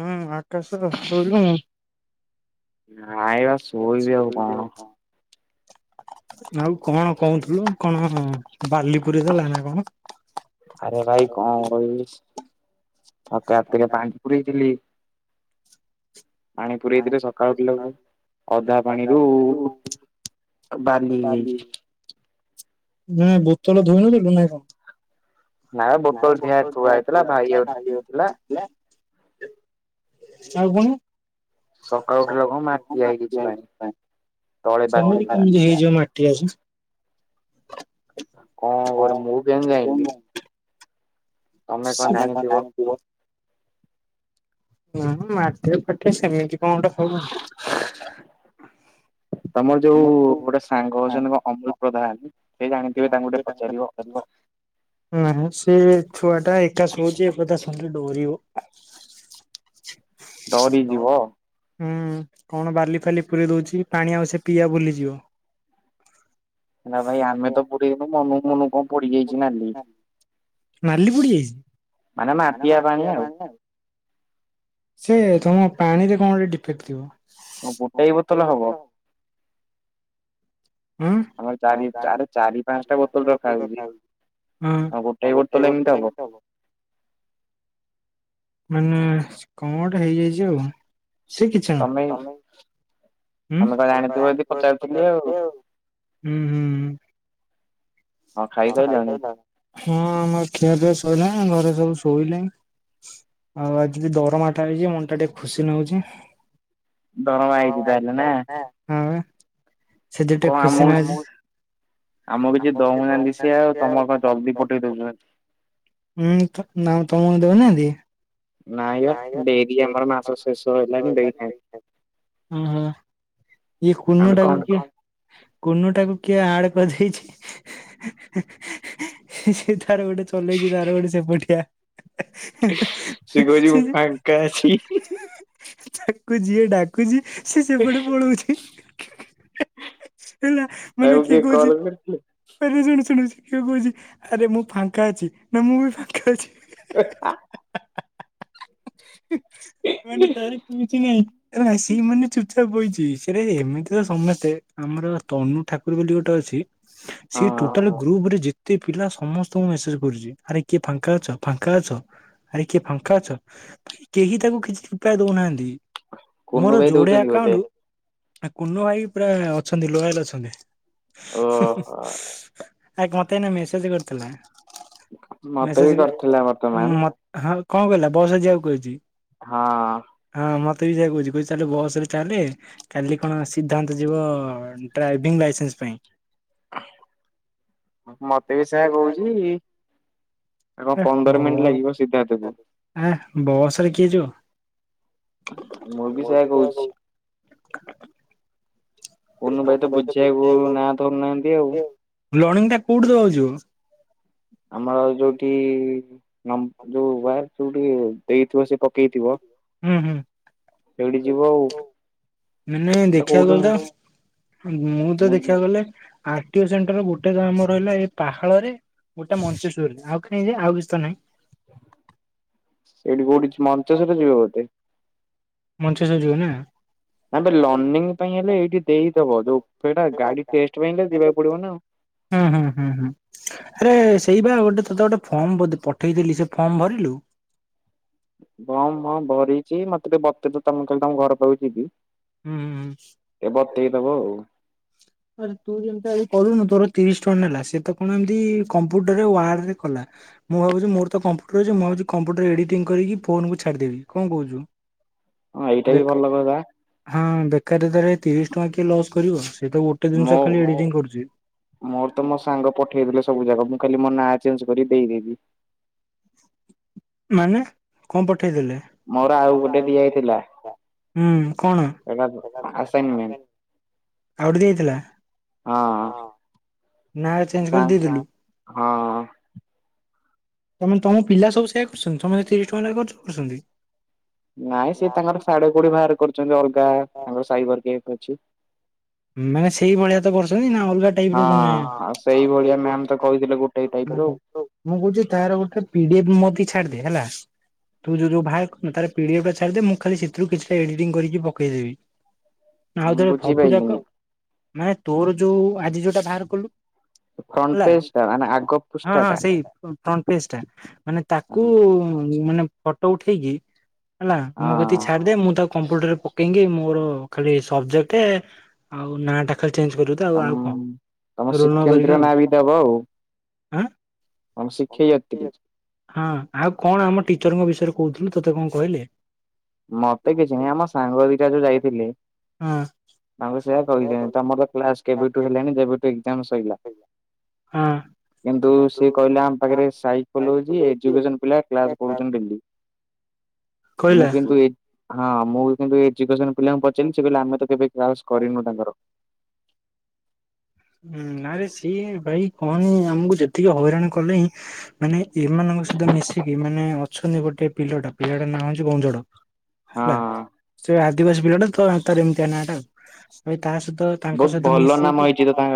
ହୁଁ ଆକାଶ ସୋଇଲୁନି? ନାଇଁ ବା ଶୋଇବି ଆଉ କଣ? ଆଉ କଣ କହୁଥିଲୁ କଣ ବାଲିପୁରୀ ଦେଲା ନା କଣ? ଆରେ ଭାଇ କଣ କହିଲୁ ମୋତେ ରାତିରେ ପାଣି ପୁରେଇଥିଲି। ପାଣି ପରେଇଥିରେ ସକାଳ ବିଲକୁ ଅଧା ପାଣିରୁ ବାଲି ହେଇଯାଇଛି। ନାଁ ବୁତଲ ଧୋଇଲୁଥିଲିଲୁ ନାଇ କଣ [inaudible] ନା ବୋତବେ ଦେିଆ ଖୁଆ ହେଇଥିଲା ଭାଇ ଆରି ହେଇ ଥିଲା [inaudible] ଆଉ କଣ? ସକାଳ ଉଠିଲ ଖୁଣୁ ମାଟିଆ ହେଇଛି ପାଣି। ସେମିତି କିମିତି ହେଇଯିବ ମାଟି ଆ ଯେ? କ କରିବି ମୁଁ କେମିତି ଯାଇଲି? ସଧ୍ୟା କଣ ନାାଇ ପ [inaudible] ହ ମାଟି ଫଟେ ସେମିତି କଣଟେ ହବ [inaudible] ତମର ଯୋଉ ଗୋଟେ ସାଙ୍ଗ ହଉଛନ୍ତି କଣ ଅମୁଲୁ ପ୍ରଧାନ। ସେ ଜାଣିଥିବେ ତାଙ୍କୁ ଟିକେ ପଚାରିବ? ନାହିଁ ସେ ଛୁଆ ଟା ଏକା ଶୋଉଛି ଏ କଥା ଶୁଣିକି ଡରିବ। ହ [inaudible] ହୁଁ କଣ ବାଲି ଫାଲି ପୁରେଇଦଉଛି ପାଣି ଆଉ ସେ ପିଇବା ଭୁଲିଯିବ। ନା ଭାଇ ଆମେ ତ ପୁରେଇନୁ ମନକୁ ମନ କଣ ପଡିଯାଇଛି ନାଲି। ନାଲି ପଡି ଯାଇଛି? ମାନେ ମାଟିଆ ପାଣି ଆଉ। ସେ ତମ ପାଣି ରେ କଣ ଗୋଟେ ଡିଫେକ୍ଟ ଥିବ। କ ଗୋଟେଏ ବୋତଲ ହେବ? ହୁଁ ଆମ ଗା ଗା [inaudible] ହୁଁ କ ଗୋଟେଏ ବୋତଲ ଏମିତି ହେବ? ମାନେ କ ଗୋଟେ ହେଇଯାଇଛି ଆଉ। ସେ କିଛି ନୁହିଁ ତମେ ଉ ତମେ ତ ଜାଣିଥିବା ଯଦି ପଚାରୁଥିବେ ଆଉ। ହୁଁ ହୁଁ। କଣ ଖାଇ ସାଇଲ? ହଁ ଆମ ଖିଆ ପିଆ ସାଇଲାନି ଘରେ ସବୁ ଶୋଇଲେଣି। ଆଉ ଆଜି ଦରମା ଟା ଆଇଛି ଯେ ମନଟା ଟିକେ ଖୁସି ନାଗୁଛି। ଦରମା ଆଇଛି ତାହେଲେ ନା? ହଁ ବା ସେ ଦିଟା ଖୁସି ନାଗୁଛି। ଆମକୁ କିଛି ଦଉନାହାନ୍ତି ସିଏ ଆଉ ତମ କଣ ଜଲ୍ଦୀ ପଠେଇ ଦଉଛନ୍ତି। ହୁଁଁ ନାଉ ତମକୁ ଦେଉନାହାନ୍ତି? ନାଇଁ ଆ [inaudible] ଏ କୁନଟାକୁ କି କୁନ ଟାକୁ କିଏ ଆଡ କରିଦେଇଛି [unintelligible] ସେ ତାର ଗୋଟେ ଚଲେଇଛି ତାର ଗୋଟେ ସେପଟିଆ। ତାକୁ ଯିଏ ଡା କୁଛି ସେ ସେପଟେ ପଳଉଛି। ହେଲା ମାନେ କିଏ କହୁଛି ଆରେ ଶୁଣ ଶୁଣୁ ଇଏ କହୁଛି ଆରେ ମୁଁ ଫାଙ୍କା ଅଛି ନା ମୁଁ ବି ଫାଙ୍କା ଅଛି। ଏ ଆ। ମାନେ ତାର କିଛି ନାହିଁ ସେଇ ମାନେ ଚୁପଚାପ ବଇଛି। ଇରେ ଏମିତି ତ ସମସ୍ତେ ଆମର ତନୁ ଠାକୁର ବୋଲି ଗୋଟେ ଅଛି ସେ ଟୋଟାଲ ଗ୍ରୁପ ରେ ଯେ ତେ ପିଲା ସମସ୍ତଙ୍କୁ ମେସେଜ କରୁଛି ଆରେ କିଏ ଫାଙ୍କା ଅଛ ଫାଙ୍କା ଅଛ ଆରେ କିଏ ଫାଙ୍କା ଅଛ। ଭାଇ କେହି ତାକୁ କିଛି ରୃପୟା ଦଉନାହାନ୍ତି ମୋର ଯୋଡିଆ ଆକାଉଣ୍ଟ କୁନ ଭାଇ ପୁରା ଅଛନ୍ତି ଲୋୟାଲ ଅଛନ୍ତି। ଆ ମତେ ଏଇନା ମେସେଜ କରିଥିଲେ। ମେସେଜେ ମୋ ହଁ କଣ କହିଲା ବସରେ ଯିବାକୁ କହିଛି ହଁ। ହଁ ମତେ ବି ସେୟା କହୁଛି କହୁଛି ଚାଲେ ବସ ରେ ଚାଲେ କାଲି କଣ ସିଦ୍ଧାନ୍ତ ଯିବ ଡ୍ରାଇଭିଂ ଲାଇସେନ୍ସ ପାଇଁ। ମତେ ବି ସେୟା କହୁଛି। ଆ କଣ ପନ୍ଦର ମିନିଟ୍ ଲାଗିବ ସିଧାର୍ଥକୁ। ଆଁ ବସରେ କିଏ ଯିବ, ମୁ ବି ସେୟା କହୁଛି। [unintelligible] କୁନୁ ଭାଇ ତ ବୁଝିବାକୁ ନାଁ ଧରୁନାହାନ୍ତି ଆଉ। ଲ୍ଣିଙ୍ଗ ଟା କୋଉଠି ଦବାକୁ ଯିବୁ? ଆମର ଯୋଉଠି ନମ୍ ଯୋଉ ୱାର ଯୋଉଠି ଦେଇଥିବ ସେ ପକେଇଥିବ ହୁଁ ହୁଁ। ସେଇଠି ଯିବ ଆଉ। ମାନେ ଦେଖିବାକୁ ଗଲେ ତ ମୁଁ ତ ଦେଖିବାକୁ ଗଲେ ଆ ଗୋଟିଏ ସେଣ୍ଟର ଗୋଟେ ଗ୍ରାମ ରହିଲା ଏହି ପାହାଳ ରେ। ଗୋଟେ ମଞ୍ଚେସ୍ୱର ଆଉ କାଇଁରେ ଆଉ କିଛି ତ ନାଇଁ। ଏଇଠି କୋଉଠି ମଞ୍ଚେସ୍ୱର ଯିବ ବୋଧେ। ମଞ୍ଚେସ୍ୱର ଯିବ ନା। ଆବେ ଲର୍ନିଙ୍ଗ ପାଇଁ ହେଲେ ଏଇଠି ଦେଇଦବ ଯୋଉଟା ଗାଡି ଟେଷ୍ଟ ପାଇଁ ହେଲେ ଯିବାକୁ ପଡିବ ନା ଆଉ। ହୁଁ ହୁଁ ହୁଁ ହୁଁ। ଆରେ ସେଇ ବା ଗୋଟେ ତୋତେ ଗୋଟେ ଫର୍ମ ବୋଧେ ପଠେଇଥିଲି ସେ ଫର୍ମ ଭରିଲୁ? ଫର୍ମ ହଁ ଭରିଛି ମତେ [unintelligible] ପତେ ଦେ ତମେ କାଲି ତମ ଘର ପାଖକୁ ଯିବି। ହୁଁଁ ହୁଁ। ଏ ବତେଇଦବ ଆଉ। [unintelligible] ରେ ତୁ ଯେମିତି ଆ ଏଇ କରୁନୁ ତୋର ତିରିଶ୍ ଟଙ୍କା ନେଲା ସେ ତ କଣ ଏମିତି କମ୍ପୁଟର ୱାର୍ଡରେ କଲା। ମୁଁ ଭାବୁଛି ମୋରତ କମ୍ପୁଟର ଅଛି ମୁଁ ଭାବଛି କମ୍ପ୍ୟଟର ଏଡ଼ିଟିଂ କରିକି ଫୋନ୍ କୁ ଛାଡ଼ି ଦେବି କଣ କହୁଛୁ? ହଁ ଏଇଟା ବି ଭଲ କଥା। ହଁ ବେକାରରେ ତର ତିରିଶ ଟଙ୍କା କିଏ ଲସ୍ କରି ବସିଛି ସେ ତ ଗୋଟେ ଜିନିଷ ଖାଲି ଏଡିଟିଂ କରୁଛି। ମୋର ତ ମୋ ସାଙ୍ଗ ପଠେଇଦେଲେ ସବୁ ଜାଗା ମୁଁ ଖାଲି ମୋ ନାଁ ଚେଞ୍ଜ କରି ଦେଇ ଦେଇଥିଲି। ମାନେ କଣ ପଠେଇଦେଲେ ମୋର ଆଉ ଟେ [unintelligible] ନାଁ ହୁଁ କଣ? ହେଲା [unintelligible] ଆସାଇଁମେଣ୍ଟ ଆଉ [unintelligible] ଦିଆଇଥିଲା? ହଁ। ନାଁ ଚେଞ୍ଜ କରି ଦେଇଦେଲୁ। ହଁ। ତମାନେ ତମ ପିଲା ସବୁ ସେୟା କରୁଛନ୍ତି, ସମୁଦାଇ ତିରିସ୍ ଟଙ୍କା [unintelligible] ଲେଖା ଖରୁଛନ୍ତି। ନାଇଁ ସେଏ ତାଙ୍କର ସାଢେ କୋଡିଏ ବାହାରେ କରିୁଛନ୍ତି ଅଲଗା ତାଙ୍କର ସାଇଭର୍ [unintelligible] ଅଛି। ମାନେ ସେଇ ଭଳିଆ ତ କରୁଛନ୍ତି ନା ଅଲଗା ଟାଇପ [unintelligible] ମୁଁ କହୁଛି ତାର ଗୋଟେ ପିଡିଏଫ୍ ମୋଫି ଛାଡିଦେ ହେଲା। ତୁ ଯୋଉ ଯଉ ବା ହାର ପିଡିଏଫ୍ ଛାଡ଼ିଦ୍ ଦେ ମୁଁ ଖାଲି ସେଥିରୁ କିଛିଟା ଏଡିଟିଂ କରିକି ପକେଇ ଦେବି। ଆଉଥରେ ଫପୁ ଯାକ ମାନେ ତୋର ଯୋଉ ଆଜି ଯୋଉଟା ବାହାର କଲୁ। ଫନ୍ ପେଷ୍ଟ୍ ଟା ଆମେଆଗ୍ ହଁ ହଁ ସେଇ ଫ୍ରଣ୍ଟ ପେ ଟା ମାନେ ତାକୁ ମାନେ। ଫଟୋ ଉଠେଇକି ହେଲା ମୋ କତିିକି ଛାଡିଦେ ମୁଁ ତା କମ୍ପ୍ୟୁଟରରେ ପକେଇଙ୍ଗି ମୋର। ଖାଲି ସବଜେକ୍ଟ ଆଉ ନାଁ ଟା ଖାଲି ଚେଞ୍ଜ କରୁ ତ ଆଉ ଆଉ କଣ ରୋଲ୍ ନମ୍ବର୍ କରିକା ଆଉ ଆଁ? ଆମ ଶିକ୍ଷୟତ୍ରୀ। ହଁ ଆଉ କଣ ଆମ ଟିଚର୍ ଙ୍କ ବିଷୟରେ କହୁଥିଲୁ ତୋତେ କଣ କହିଲେ? ମତେ କିଛି ନାହିଁ ଆମ ସାଙ୍ଗ ଦିଟା ଯୋଉ ଯାଇଥିଲେ? ତାଙ୍କୁ ସେଆ କହିଲେ ତମର କ୍ଲାସ୍ କେବେଠୁ ହେଲାଣି ଯେବେଠୁ ଏକ୍ସାମ ସଇଲା। ହଁ କିନ୍ତୁ ସେ କହିଲା ଆମ ପାଖରେ ସାଇକଲଜି ଏଜୁକେସନ୍ ପିଲା କ୍ଲାସ୍ କରୁଛନ୍ତି ଡେଲି। କହିଲା? ବେ ହଁ ମୁଁ କିନ୍ତୁ ଏଜୁ କେଶନ୍ ପିଲାଙ୍କୁ ପଚାରି ସେ ଆମେ ତ କେବେ କ୍ଲାସ୍ କରିନୁ ତାଙ୍କର। ହୁଁ ନା ରେ ସିଏ ଭାଇ କହନି ଆମକୁ ଯେତିକି ହଇରାନ କଲେ ହିଁ ମାନେ ଏମାନଙ୍କ ସହିତ ମିଶିକି ମାନେ ଅଛନ୍ତି ଗୋଟେ ପିଲଟ ପିଲାଟା ନାଁ ହଉଛି ଗଞ୍ଜଡ। ହେଲା ସେ ଆଦିବାସୀ ପିଲାଟା ତ ତାର ଏମିତିଆ ନା ଟା ଆଉ ଏ ତା ସହିତ। ତାଙ୍କ ସହିତ ମିଶୀକି।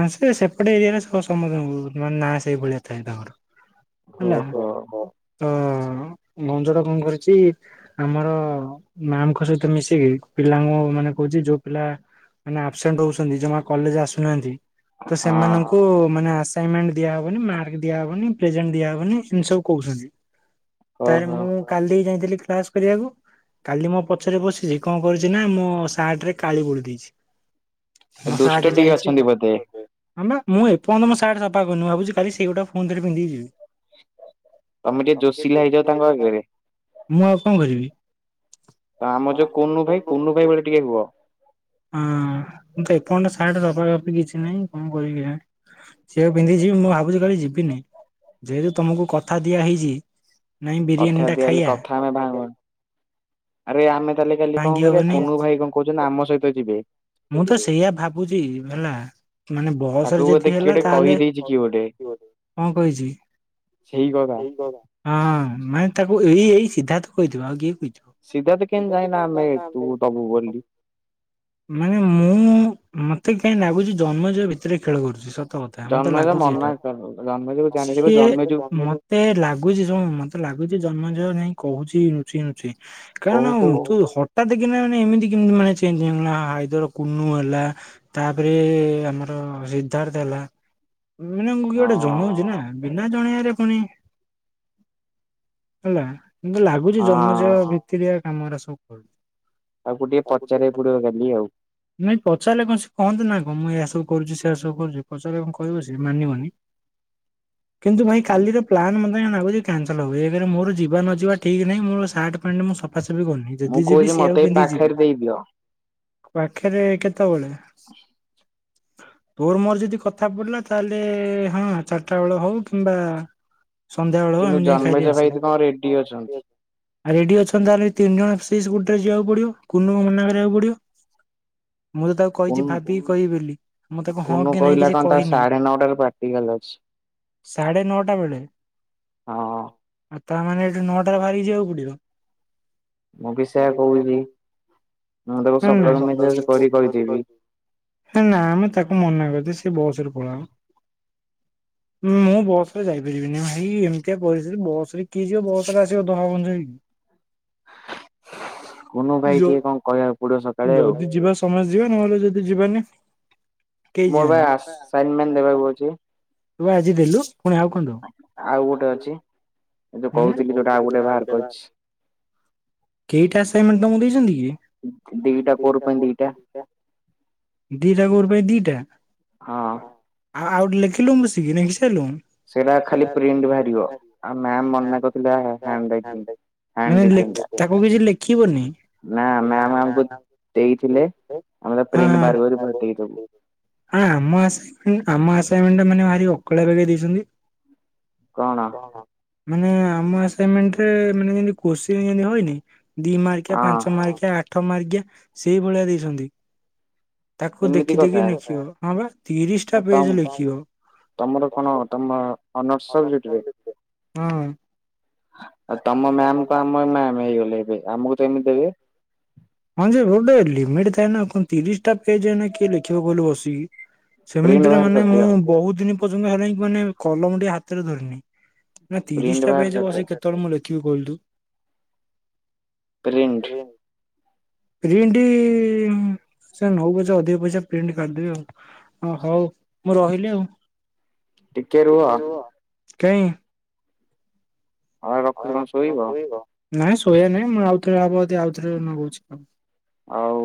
ଆସେ ସେପଟେ ଏରିଆରେ ସମସ୍ତଙ୍କ କୁ ମାନେ ନାଁ ସେଇଭଳିଆ ଥାଏ ତାଙ୍କର। ହେଲା ତ ଗଞ୍ଜଡ଼ କଣ କରିଛି? ଆମର ମାଆମ୍ ଙ୍କ ସହିତ ମିଶିକି ପିଲାଙ୍କୁ ମାନେ କହୁଛି ଯୋଉ ପିଲା। ମାନେ ଆପ୍ସସେଣ୍ଟ ରହୁଛନ୍ତି ଯମା କଲେଜ ଆସୁନାହାନ୍ତି ତ ସେମାନଙ୍କୁ ମାନେ ଆସ୍ ଆସାଇନମେଟ ଦିଆ ହବନି ମାର୍କ ଦିଆହବନି ପ୍ରେଜେଣ୍ଟ ଦିଆହ ହେବନି ଏମିତି ସବୁ କହୁଛନ୍ତି। ତାରେ ମୁଁ କାଲି ଯାଇଥିଲି କ୍ଲାସ କରିବାକୁ। କାଲି ମୋ ପଛରେ ବସିଛି କଣ କରୁଛି ନା ମୋ ସାର୍ଟ ରେ କାଳି ବୋଳି ଦେଇଛି। ମ ସାଟ୍ ଯାଇଛି। ଆମା ମୁଁ ଏପନ୍ତମୋ ସାର୍ଟ ସଫା କରନୁ ଭାବୁ କାଲି ସେ ଗୁଡା ପୁଣି ଥରେ ପିନ୍ଧିକି ଯିବି। ତମେ ଟିକେ ଜୋସିଲ ହେଇଯାଅ ତାଙ୍କ ଆଗରେ। ମୁଁ ଆଉ କଣ କରିବି? ତ ଆମ ଯୋଉ କୁନୁ ଭାଇ କୁନୁ ଭାଇ ଭଳିଆ ଟିକେ ହୁଅ। ହଁ ମୁଁ ତ ସାର୍ଟ ରଖାରଖି କିଛି ନାହିଁ, କଣ କରିବି କେଜାଣି? ସିଏ ପିନ୍ଧିଛି ମୁଁ ଭାବୁଛି କାଲି ଯିବିନି ଯେହେତୁ ତମକୁ କଥା ଦିଆ ହେଇଛି। କଥା ଦିଆହଲେ କଥା ଆମେ ଭାଙ୍ଗ ଆରେ ଆମେ ତାହେଲେ କାଲି କଣ କରିବା କୁନୁ ଭାଇ କ କହୁଛନ୍ତି ଆମ ସହିତ ଯିବେ। ମୁଁ ତ ସେଇଆ ଭାବୁଛି ହେଲା। ମାନେ ବସରେ ଯଦି ହେଲା ତାହେଲେ କଣ କହିଛି? ସେଇ କଥା ହଁ ମାନେ ତାକୁ ଏଇ ଏଇ ସିଧାତ କହିଥିବ ଆଉ କିଏ କହିଥିବ। ସିଧାତ କେମତି ଯାଇନା ଆମେ ତୁ ଦବୁ ବୋଲି। ମାନେ ମୁଁ ମତେ କାହିଁ ଲାଗୁଛି ଜନ୍ମଜୟ ଭିତରେ ଖେଳ କରୁଛି ସତ ତ କଥା ମତେ ଲାଗୁଛି ଏଟା ସିଏ ଏ ଲାଗୁଛି ଶୁଣୁ ମତେ ଲାଗୁଛି ଜନ୍ମଜୟ ଯାଇ କହୁଛି ଲୁଚି ନୁଚି କାରଣ ତୁ ହଠାତ କିନା ମାନେ ଏମିତି କେମତି ମାନେ ଆଇଦର କୁନୁ ହେଲା ତାପରେ ଆମର ସିଦ୍ଧାର୍ଥ ହେଲା। ମାନଙ୍କୁ କିଏ ଗୋଟେ ଜଣାଉଛି ନା। ବିନା ଜଣେଇଆରେ ପୁଣି ହେଲା। ଏ ଲାଗୁଛି ଜନ୍ମଜୟ ଭିତିରିଆ କାମା ଗୁରା ସବୁ କରୁଛି। ତାକୁ ଟିକେ ପଚାରିବା କୁ ପଡିବ କାଲି ଆଉ। ନାଇଁ ପଚାରିଲେ କଣ ସେ କହନ୍ତୁ ନା କଣ ମୁଁ ଏହାସବୁ କରୁଛି ସେୟ ସବୁ କରୁଛି ପଚାରେ କଣ କହିବ ସି ମାନିବନି। କିନ୍ତୁ ଭାଇ କାଲିର ପ୍ଲାନ୍ ମୋତେ କାଇଁ ଲାଗୁଛି କ୍ୟାନସଲ ହବ ଏକରେ ମୋର ଯିବା ନ ଯିବା ଠିକ ନାହିଁ ମୋର ସାର୍ଟ ପ୍ୟାଣ୍ଟ ମୁଁସ ସଫୀ ବି କରୁନି ଯଦି ଯିବି ସିଏକୁ ପିନ୍ଧିକୀ ଯିବି। ପାଖରେ କେତେବେଳେ? ତୋର ମୋର ଯଦି କଥା ପଡିଲା ତାହେଲେ ହଁ ଚାରିଟା ବେଳ ହଉ କିମ୍ବା ସନ୍ଧ୍ୟା ବେଳ ହେଉ ଆମେ ଯାଇ ଖାଇ ଦେଇ ଆସିବା। ଆ ରେଡି ଅଛନ୍ତି ତାହେଲେ ତିନି ଜଣ ସେଇ ସ୍କୁଟିରେ ଯିବାକୁ ପଡିବ କୁନୁ କୁ ମନା କରିବାକୁ ପଡିବ। ମୁଁର ତା କହିଛି ଭାବିକି କହିବି ବୋଲି ମୁଁ ତାକୁ ହଁ କି ନାଇଁ କିଛି କହିନି ସାଢେ ନଅଟା ବେଳେ ଆଉ ତାମାନେ ଏଠି ନଅଟା ରୁ ବାହାରିକି ଯିବାକୁ ପଡିବ। ମୁଁ ବି ସେୟା କହୁଛି ମୁଁ ତାକୁ ସକାଳୁ ମେସେଜ କରି କରିଦେବି। ନା ଆମେ ତାକୁ ମନା କରିଦେ ସେ ବସରେ ପଳାଉ। ମୁଁ ବସ ରେ ଯାଇପାରିବିନି ଭାଇ ଏମିତିଆ ପରିସ୍ଥିତି ବସ ରେ କିଏ ଯିବ ବସ ରେ ଆସିବ ଦଳାଗଞ୍ଜା ହେଇକି [unintelligible] କୁନୁ ଭାଇ ଟିକେ କଣ କହିବାକୁ ପଡିବ ସକାଳେ ଆଉ। ଯିବା ସମସ୍ତେ ଯିବା ନହେଲେ ଯଦି ଯିବାନି। ମୋର ଭାଇ ଆସାଇନମେଣ୍ଟ ଦେବାକୁ ଅଛି। ତୁ ଆଜି ଦେଲୁ ପୁଣି ଆଉ କଣ ଦବୁ? ଆଉ ଗୋଟେ ଅଛି। ମାନେ କହୁଥିଲି ଗୋଟା ଗୋଟେ ବାହାର କେଇଟା ଆସାଇନମେଣ୍ଟ ତମକୁ ଦେଇଛନ୍ତି କି? ଦିଟା କୋର ପାଇଁ ଦିଟା। ଆଉ ଟିକେ ଲେଖିଲୁ ବସିକି ଇେଖି ସାରିଲୁ। ସେଟା ଖାଲି ପ୍ରିଣ୍ଟ ବାହାରିବ ଆ ମ୍ୟାମ ମନା କରିଥିଲେ ହ୍ୟାଣ୍ଡ ରାଇଟିଙ୍ଗ ମାନେ ତାକୁ କିଛି ଲେଖିବନି। ନା ନା ହଁ ଆଁ ଆମ ଆସାଇନମେଣ୍ଟ ଆମ ଆସାଇନମେଣ୍ଟ ମାନେ ଭାରି ଅକଳିଆ କରିକି ଦେଇଛନ୍ତି। କଣ ମାନେ ଆମ ଆସାଇନମେଣ୍ଟ ରେ ମାନେ ଯେମିତି କ୍ୱେଷ୍ଟିନ ଯେନ୍ତୀ ହଏନି ଦି ମାର୍କିଆ ପାଞ୍ଚ ମାର୍କିଆ ଆଠ ମାର୍କିଆ ସେଇ ଭଳିଆ ଦେଇଛନ୍ତି। ତାକୁ ଦେଖି ଦେଖି ନେଖିବ ହଁ ବା ତିରିଶ ଟା ପେଜ ଲେଖିବ। ତମର କଣ ତମ ଅନର୍ସ ସବଜେଟରେ। ହଁ। ଆଉ ତମ ମ୍ୟାମ ତ ଆମ ମ୍ୟାମ ହେଇଗଲେ ଏବେ ଆମକୁ ଆମକୁ କେମି ହଁ ଯେ ଗୋଟେ ଲିମିଟ ଥାଏ ନା କଣ ତିରିଶ ଟା ପେଜ ଏଇନା କିଏ ଲେଖିବ କହିଲୁ ବସିକି। ସେମିତିରେ ମାନେ ମୁଁ ବହୁତ ଦିନି ପଯ୍ୟନ୍ତ ହେଲାନି ମାନେ କଲମ ଟିକେ ହାତରେ ଧରିନି ନା ତିରିଶ ଟା ପେଜେ ବସି କେ କେତେଳେ ମୁଁ ଲେଖିବି କହିଲୁ ତୁ। ପ୍ରିଣ୍ଟ୍। [unintelligible] ପ୍ରିଣ୍ଟ ଇ ଇ ସେ ନଉ ପଛେ ଅଧିକ ପଇସା ପ୍ରିଣ୍ଟ କାଢିଦେବି ଆଉ। ଓ ହଉ ମୁଁ ରହିଲି ଆଉ, ଟିକେ ରୁହ କାଇଁ। ହଁ ରଖୁଛି କଣ ଶୋଇବ? ନାଇଁ ଶୋଇୟା ନାଇଁ ମୁଁ ଆଉଥରେ ହବ ଯଦି ଆଉଥରେ ନଗଉଚି। ଆଉ।